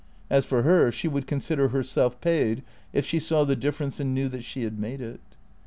As for her, she would consider herself paid if she saw the difference and knew that she had made it.